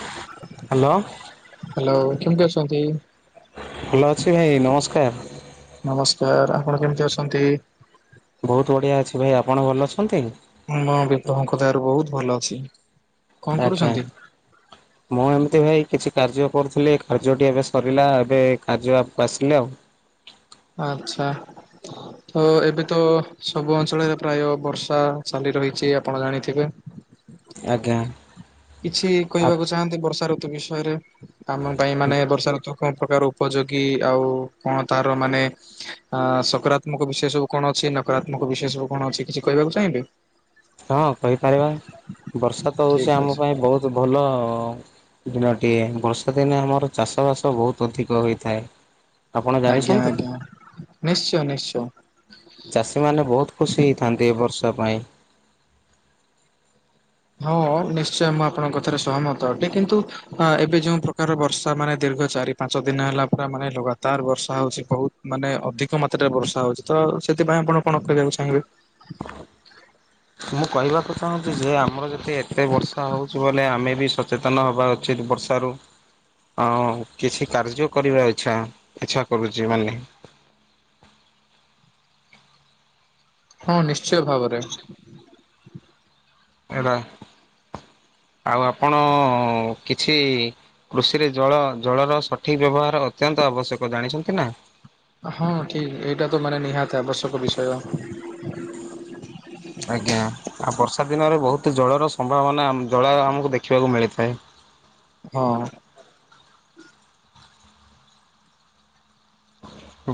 Hello. Hello କେମିତି ଅଛନ୍ତି? ଭଲ ଅଛି ଭାଇ ନମସ୍କାର। ନମସ୍କାର। ଆପଣ କେମିତି ଅଛନ୍ତି? ବହୁତ ବଢ଼ିଆ ଅଛି। ଭାଇ ଆପଣ ଭଲ ଅଛନ୍ତି? ହଁ ମୁଁ ବି ପ୍ରଭୁଙ୍କ ଦୟାରୁ ବହୁତ ଭଲ ଅଛି। ଆଜ୍ଞା। ହ ମୁଁ ଏମିତି ଭାଇ କିଛି କାର୍ଯ୍ୟ କରୁଥିଲି କାର୍ଯ୍ୟଟି ଏବେ ସରିଲା ଏବେ କାର୍ଯ୍ୟ ଆପ୍ କୁ ଆସିଲି ଆଉ। ଆଚ୍ଛା। ତ ଏବେ ତ ସବୁ ଅଞ୍ଚଳରେ ପ୍ରାୟ ବର୍ଷା ଚାଲି ରହିଛି ଆପଣ ଜାଣିଥିବେ। ଆଜ୍ଞା। କିଛି ଆପ୍ କହିବାକୁ ଚାହାନ୍ତି ବର୍ଷା ଋତୁ ବିଷୟରେ ଆମ ପାଇଁ ମାନେ ବର୍ଷା ଋତୁ କଣ ପ୍ରକାର ଉପଯୋଗୀ ଆଉ କ ଣ ତାର ମାନେ ଅ ସକାରାତ୍ମକ ବିଷୟ ସବୁ କଣ ଅଛି ନକାରାତ୍ମକ ବିଷୟ ସବୁ କଣ ଅଛି କିଛି କହିବାକୁ ଚାହିଁବେ? ହଁ କହିପାରିବା ବର୍ଷା ତ ଠିକ ହେଉଛି ଅଛି। ଆମ ପାଇଁ ବହୁତ ଭଲ। ଦିନଟିଏ ବର୍ଷା ଦିନେ ଆମର ଚାଷବାସ ବହୁତ ଅଧିକ ହୋଇଥାଏ। ଆପଣ ଆଜ୍ଞା ଜାଣିଛନ୍ତି? ଆଜ୍ଞା ନିଶ୍ଚୟ ନିଶ୍ଚୟ। ଚାଷୀମାନେ ବହୁତ ଖୁସି ହେଇଥାନ୍ତି ଏ ବର୍ଷା ପାଇଁ। ହଁ ନିଶ୍ଚୟ ମୁଁ ଆପଣଙ୍କ କଥାରେ ସହମତ ଅଟେ। କିନ୍ତୁ ହଁ ଏବେ ଯୋଉ ପ୍ରକାର ବର୍ଷା ମାନେ ଦୀର୍ଘ ଚାରି ପାଞ୍ଚ ଦିନ ହେଲା ପୁରା ମାନେ ଲଗାତାର ବର୍ଷା ହଉଛି ବହୁତ ମାନେ ଅଧିକ ମାତ୍ରାରେ ବର୍ଷା ହଉଛି ତ ସେଥିପାଇଁ ଆପଣ କଣ କରିବାକୁ ଚାହିଁବେ? [inaudible] ମୁଁ କହିବାକୁ ଚାହୁଁଛି ଯେ ଆମର ଯେତି ଏତେ ବର୍ଷା ହେଉଛି ବୋଲେ ଆମେ ବି ସ ଚେତନ ହେବା ଉଚିତ ବର୍ଷାରୁ। ହଁ କିଛି କାର୍ଯ୍ୟ କରିବା ଇଚ୍ଛା ଇଚ୍ଛା କରୁଚି ମାନେ। ହଁ ନିଶ୍ଚୟ ଭାବରେ। [inaudible] ଏରା ଆଉ ଆପଣ କିଛି କୃଷିରେ ଜଳ ଜଳର ସଠିକ ବ୍ୟବହାର ଅତ୍ୟନ୍ତ ଆବଶ୍ୟକ। ଜାଣିଛନ୍ତି ନା? ହଁ ଠିକ ଏଇଟା ତ ମାନେ ନିହାତି ଆବଶ୍ୟକ ବିଷୟ। ଆଜ୍ଞା ଆଉ ବର୍ଷା ଦିନରେ ବହୁତ ଜଳର ସମ୍ଭାବନା ଜଳ ଆମକୁ ଦେଖିବାକୁ ମିଳିଥାଏ। ହଁ।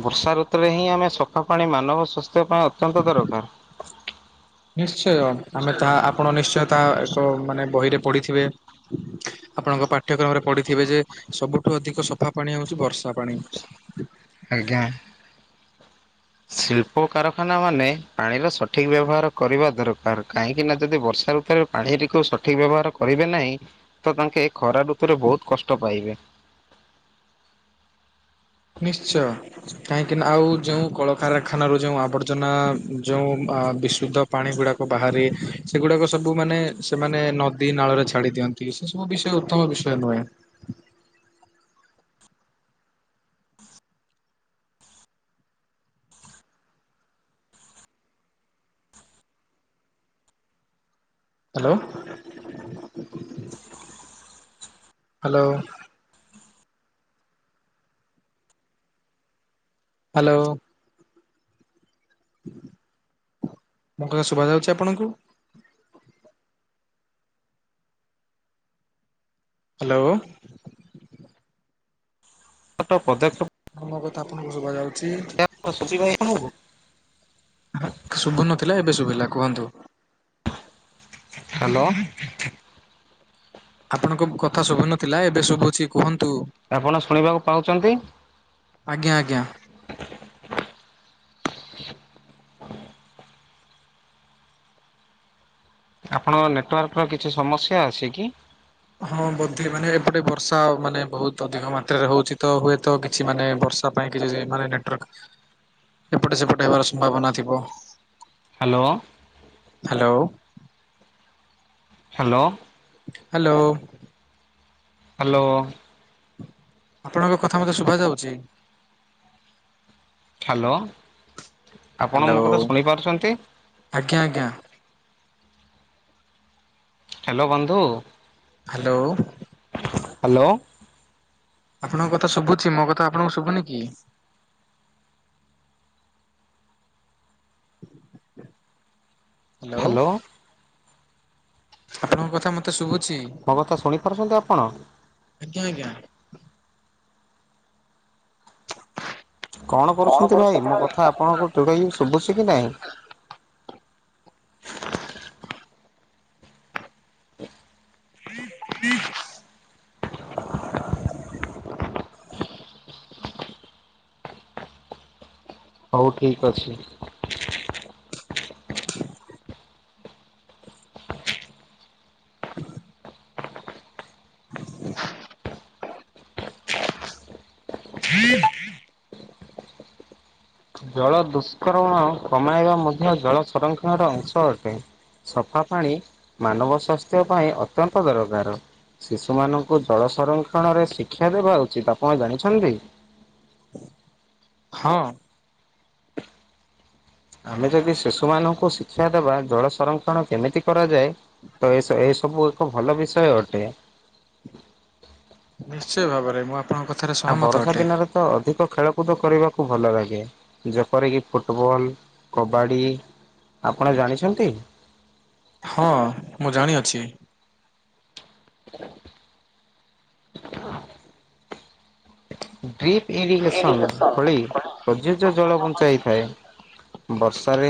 ବର୍ଷା ଋତୁରେ ହିଁ ଆମେ ସଫା ପାଣି ମାନବ ସ୍ୱାସ୍ଥ୍ୟ ପାଇଁ ଅତ୍ୟନ୍ତ ଦରକାର। [inaudible] ନିଶ୍ଚୟ ଆମେ ତାହା ଆପଣ ନିଶ୍ଚୟ ତାହା ଏକ ମାନେ ବହିରେ ପଢ଼ିଥିବେ। ଆପଣଙ୍କ ପାଠ୍ୟକ୍ରମରେ ପଢିଥିବେ ଯେ ସବୁଠୁ ଅଧିକ ସଫା ପାଣି ହଉଛି ବର୍ଷା ପାଣି। ଆଜ୍ଞା। ଶିଳ୍ପ କାରଖାନା ମାନେ ପାଣିର ସଠିକ ବ୍ୟବହାର କରିବା ଦରକାର କାହିଁକି ନା ଯଦି ବର୍ଷା ଋତୁରେ ପାଣିଟିକୁ ସଠିକ ବ୍ୟବହାର କରିବେ ନାହିଁ ତ ତାଙ୍କେ ଖରା ଋତୁରେ ବହୁତ କଷ୍ଟ ପାଇବେ। ନିଶ୍ଚୟ। କାହିଁକିନା ଆଉ ଯେଉଁ କଳକାରଖାନାରୁ ଯେଉଁ ଆବର୍ଜନା ଯେଉଁ ଆଁ ବିଶୁଦ୍ଧ ପାଣି ଗୁଡ଼ାକ ବାହାରେ, ସେଗୁଡ଼ାକ ସବୁ ମାନେ ସେମାନେ ନଦୀ ନାଳରେ ଛାଡ଼ି ଦିଅନ୍ତି। କି ସେ ସବୁ ବିଷୟ ଉତ୍ତମ ବିଷୟ ନୁହେଁ। ହ୍ୟାଲୋ। ହ୍ୟାଲୋ। ହ୍ୟାଲୋ। ମୋ କଥା ଶୁଭାଯାଉଛି ଆପଣଙ୍କୁ? ହ୍ୟାଲୋ। ଛୋଟ ପଦକ୍ଷେପ ମୋ କଥା ଆପଣଙ୍କୁ ସୁଭାଯାଉ [unintelligible] ଶୁଭୁ ନଥିଲା ଏବେ ଶୁଭିଲା କୁହନ୍ତୁ। ହ୍ୟାଲୋ। ଆପଣଙ୍କ କଥା ଶୁଭୁ ନଥିଲା ଏବେ ଶୁଭୁଛି କୁହନ୍ତୁ। ଆପଣ ଶୁଣିବାକୁ ପାଉଛନ୍ତି? ଆଜ୍ଞା ଆଜ୍ଞା। ଆପଣଙ୍କ ନେଟୱାର୍କର କିଛି ସମସ୍ୟା ଅଛି କି? ହଁ ବୋଧେ ମାନେ ଏପଟେ ବର୍ଷା ମାନେ ବହୁତ ଅଧିକ ମାତ୍ରାରେ ହଉଛି ତ ହୁଏତ କିଛି ମାନେ ବର୍ ତା ପାଇଁ ମାନେ ନେଟୱାର୍କ ଏପଟ ସେପଟ ହେବାର ସମ୍ଭାବନା ଥିବ। Hello. Hello. Hello. Hello. Hello. ଆପଣଙ୍କ କଥା ମତେ ଶୁଭା ଯାଉଚି। ହାଲୋ। ହ୍ୟାଲୋ। ପାରୁଛନ୍ତି? ଆଜ୍ଞା ଆଜ୍ଞା। ହ୍ୟାଲୋ ବନ୍ଧୁ। ହ୍ୟାଲୋ। ହ୍ୟାଲୋ। ଆପଣଙ୍କ କଥା ଶୁଭୁଛି ମୋ କଥା ଆପଣଙ୍କୁ ଶୁଭୁନି କି? ହ୍ୟାଲୋ। ଆପଣଙ୍କ କଥା ମତେ ଶୁଭୁଛି। ମୋ କଥା ଶୁଣିପାରୁଛନ୍ତି ଆପଣ। ଆଜ୍ଞା ଆଜ୍ଞା। କଣ କରୁଛନ୍ତି ଭାଇ ମୋ କଥା ଆପଣଙ୍କ ଟୋଟାଲି ଶୁଭୁଛି କି ନାହିଁ? [unintelligible] ହଉ ଠିକ୍ ଅଛି। ହଁ [inaudible] ହୁଁ ଜଳ ଦୁଷ୍କରମଣ କମାଇବା ମଧ୍ୟ ଜଳ ସଂରକ୍ଷଣର ଅଂଶ ଅଟେ। ସଫା ପାଣି ମାନବ ସ୍ୱାସ୍ଥ୍ୟ ପାଇଁ ଅତ୍ୟନ୍ତ ଦରକାର। ଶିଶୁ ମାନଙ୍କୁ ଜଳ ସଂରକ୍ଷଣରେ ଶିକ୍ଷା ଦେବା ଉଚିତ ଆପଣ ଜାଣିଛନ୍ତି? ହଁ। ଆମେ ଯଦି ଶିଶୁମାନଙ୍କୁ ଶିକ୍ଷା ଦେବା ଜଳ ସଂରକ୍ଷଣ କେମିତି କରାଯାଏ ତ ଏ ଏ ସବୁ ଏକ ଭଲ ବିଷୟ ଅଟେ। ନିଶ୍ଚୟ ଭାବରେ ମୁଁ ଆପଣଙ୍କ କଥ ସ ଆଉ ବର୍ଷା ଦିନରେ ତ ଅଧିକ ଖେଳକୁଦ କରିବାକୁ ଭଲ ଲାଗେ ଯେପରିକି ଫୁଟବଲ କବାଡ଼ି ଆପଣ ଜାଣିଛନ୍ତି? ହଁ ମୁଁ ଜାଣିଅଛି। ହ ଡ୍ରିପ ଏଇଠି ଇରିଗେସନ ବସ ଖୋଳି ପ୍ରଯୁଜ୍ୟ ଜଳ ବଞ୍ଚାଇଥାଏ। ବର୍ଷାରେ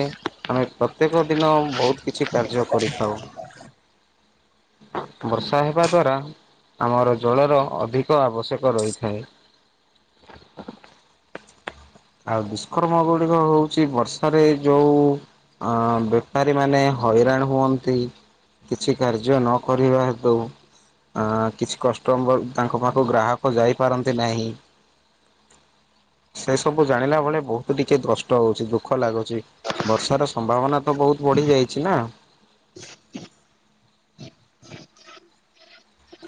ଆମେ ପ୍ରତ୍ୟେକ ଦିନ ବହୁତ କିଛି କାର୍ଯ୍ୟ କରିଥାଉ। [unintelligible] ବର୍ଷା ହେବା ଦ୍ଵାରା ଆମର ଜଳର ଅଧିକ ଆବଶ୍ୟକ ରହିଥାଏ। [unintelligible] ଆଉ ଦୁଷ୍କର୍ମ ଗୁଡିକ ହଉଛି ବର୍ଷାରେ ଯୋଉ ଅ ବେପାରୀ ମାନେ ହଇରାଣ ହୁଅନ୍ତି। କିଛି କାର୍ଯ୍ୟ ନ କରିବା ହେତୁ। ଆଁ କିଛି କଷ୍ଟମର ତାଙ୍କ ପାଖକୁ ଗ୍ରାହକ ଯାଇପାରନ୍ତି ନାହିଁ। ସେ ସବୁ ଜାଣିଲା ବେଳେ ବହୁତ ଟିକେ କଷ୍ଟ ହଉଛି ଦୁଃଖ ଲାଗୁଛି। ବର୍ଷାର ସମ୍ଭାବନା ତ ବହୁତ ବଢ଼ିଯାଇଛି ନା।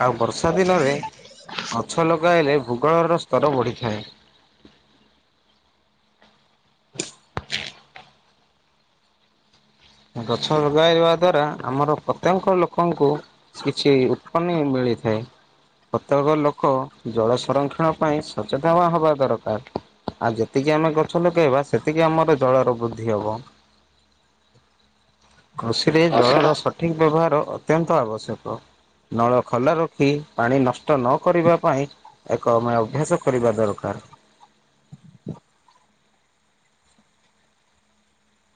ଆଉ ବର୍ଷା ଦିନରେ ଗଛ ଲଗାଇଲେ ଭୂଗୋଳର ସ୍ତର ବଢ଼ିଥାଏ। ଗଛ ଲଗାଇବା ଦ୍ଵାରା ଆମର ପ୍ରତ୍ୟେକ ଲୋକଙ୍କୁ କିଛି ଉତ୍ପନି ମିଳିଥାଏ। ପ୍ରତ୍ୟେକ ଲୋକ ଜଳ ସଂରକ୍ଷଣ ପାଇଁ ସଚେତନ ହେବା ଦରକାର। ଆଉ ଯେତିକି ଆମେ ଗଛ ଲଗେଇବା ସେତିକି ଆମର ଜଳର ବୃଦ୍ଧି ହବ। କୃଷିରେ ବସିଲ ଜଳର ସଠିକ୍ ବ୍ୟବହାର ଅତ୍ୟନ୍ତ ଆବଶ୍ୟକ। ନଳ ଖୋଲା ରଖି ପାଣି ନଷ୍ଟ ନ କରିବା ପାଇଁ ଏକ ଆମେ ଅଭ୍ୟାସ କରିବା ଦରକାର।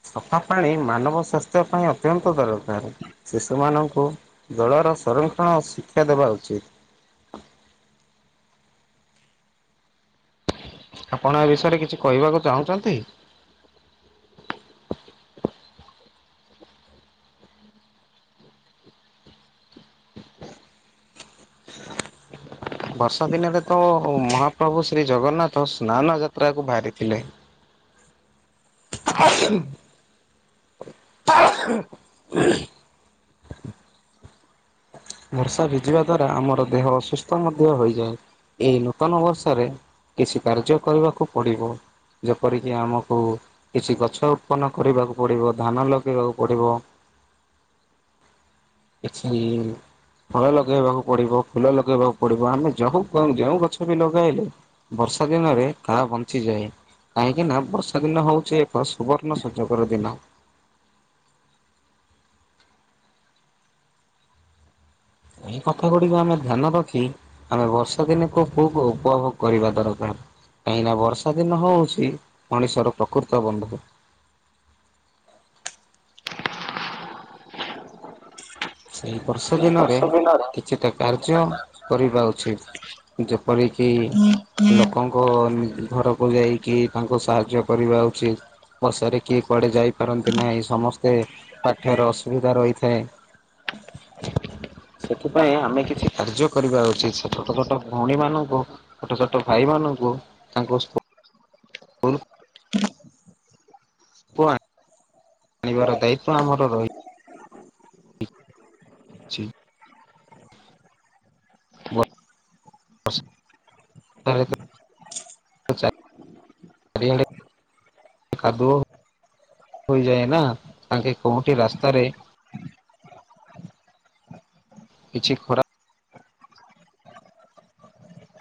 ସଫା ପାଣି ମାନବ ସ୍ୱାସ୍ଥ୍ୟ ପାଇଁ ଅତ୍ୟନ୍ତ ଦରକାର। ଶିଶୁମାନଙ୍କୁ ଜଳର ସଂରକ୍ଷଣ ଶିକ୍ଷା ଦେବା ଉଚିତ୍। ଆପଣ ଏ ବିଷୟରେ କିଛି କହିବାକୁ ଚାହୁଁଛନ୍ତି? ବର୍ଷା ଦିନରେ ତ ମହାପ୍ରଭୁ ଶ୍ରୀ ଜଗନ୍ନାଥ ସ୍ନାନ ଯାତ୍ରାକୁ ବାହାରିଥିଲେ। [inaudible] ବର୍ଷା ଭିଜିବା ଦ୍ଵାରା ଆମର ଦେହ ଅସୁସ୍ଥ ମଧ୍ୟ ହୋଇଯାଏ ଏଇ ନୂତନ ବର୍ଷାରେ କିଛି କାର୍ଯ୍ୟ କରିବାକୁ ପଡିବ ଯେପରିକି ଆମକୁ କିଛି ଗଛ ଉତ୍ପନ୍ନ କରିବାକୁ ପଡିବ ଧାନ ଲଗେଇବାକୁ ପଡିବ। [unintelligible] କିଛି ଫଳ ଲଗେଇବାକୁ ପଡିବ ଫୁଲ ଲଗେଇବାକୁ ପଡିବ ଆମେ ଯଉ ଯଉ ଗଛ ବି ଲଗେଇଲେ ବର୍ଷା ଦିନରେ ତାହା ବଞ୍ଚିଯାଏ। କାହିଁକି ନା ବର୍ଷା ଦିନ ହଉଛି ଏକ ସୁବର୍ଣ୍ଣ ସଂଯୋଗର ଦିନ। ଏଇ କଥା ଗୁଡିକ ଆମେ ଧ୍ୟାନ ରଖି ଆମେ ବର୍ଷା ଦିନକୁ ଖୁବ ଉପଭୋଗ କରିବା ଦରକାର। କାହିଁକି ନା ବର୍ଷା ଦିନ ହଉଛି ମଣିଷର ପ୍ରକୃତ ବନ୍ଧୁ। ସେଇ ବର୍ଷ ଦିନରେ କିଛିଟା କାର୍ଯ୍ୟ କରିବା ଉଚିତ୍। ଯେପରିକି ଲୋକ ଲୋକଙ୍କ ଘରକୁ ଯାଇକି ତାଙ୍କୁ ସାହାଯ୍ୟ କରିବା ଉଚିତ। ବର୍ଷାରେ କିଏ କୁଆଡ଼େ ଯାଇପାରନ୍ତି ନାହିଁ ସମସ୍ତେ ପାଠରେ ଅସୁବିଧା ରହିଥାଏ। [inaudible] ସେଥିପାଇଁ ଆମେ କିଛି କାର୍ଯ୍ୟ କରିବା ଉଚିତ ସେ ଛୋଟ ଛୋଟ ଭଉଣୀ ମାନଙ୍କୁ ଛୋଟ ଛୋଟ ଭାଇ ମାନଙ୍କୁ ତାଙ୍କୁ ସ୍କୁ ଆଣିବାର ଦାୟିତ୍ୱ ଆମର ରହିଛି। ଛି ବ ତାର ଏକା ଚାରି ଆଡ଼େ ଖାଦୁଅ। ହୋଇଯାଏ ନା ତାଙ୍କେ କୋଉଠି ରାସ୍ତାରେ କିଛି ଖରାପ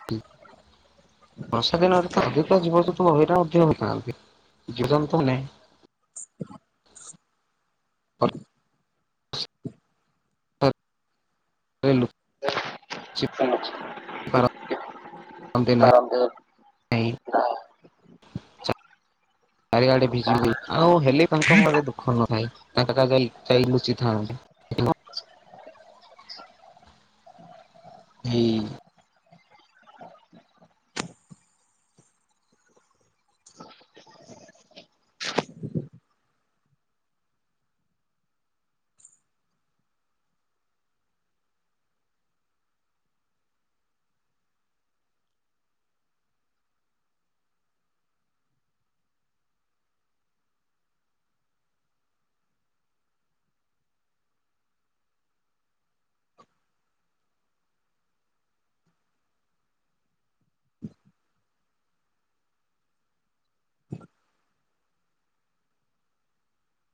ହ ବର୍ଷା ଦିନରେ ତ ଅଧିକ ଜୀବଜନ୍ତୁ ମହିରା ମଧ୍ୟ ହୋଇଥାନ୍ତି ଜୀବଜନ୍ତୁ ମାନେ ହଁ ଲୁଚି ପାରନ୍ତି [inaudible] ନାହିଁ। ବାର ଅଧେ ହା। ଚାରିଆଡେ ଭିଜିବେ ଆଉ ହେଲେ ତାଙ୍କ ମେ ଦୁଃଖ ନଥାଏ। [unintelligible] ଏଇ